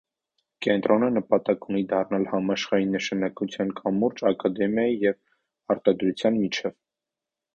Կենտրոնը նպատակ ունի դառնալ համաշխարհային նշանակության կամուրջ ակադեմիայի և արտադրության միջև։